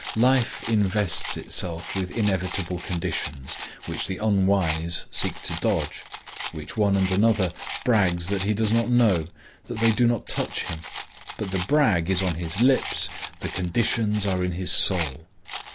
Life invests itself with inevitable conditions, which the unwise seek to dodge, which one and another brags that he does not know, that they do not touch him;—but the brag is on his lips, the conditions are in his soul.